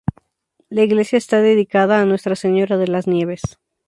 La iglesia está dedicada a Nuestra Señora de las Nieves.